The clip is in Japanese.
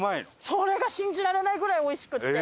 それが信じられないぐらいおいしくって。